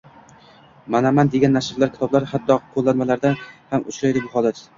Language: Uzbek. Manaman degan nashrlar, kitoblar, hatto qoʻllanmalarda ham uchraydi bu holat